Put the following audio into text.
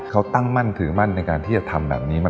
เขาตั้งมั่นถือมั่นในการที่จะทำแบบนี้ไหม